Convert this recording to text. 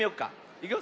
いくよ。